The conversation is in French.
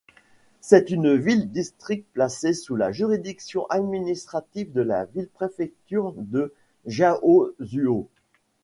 C'est une ville-district placée sous la juridiction administrative de la ville-préfecture de Jiaozuo.